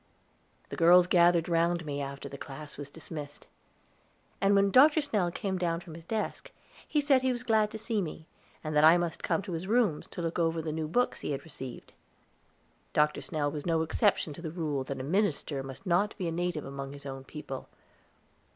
The girls gathered round me, after the class was dismissed; and when Dr. Snell came down from his desk, he said he was glad to see me, and that I must come to his rooms to look over the new books he had received. Dr. Snell was no exception to the rule that a minister must not be a native among his own people.